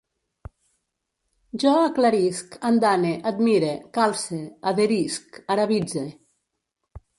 Jo aclarisc, andane, admire, calce, adherisc, arabitze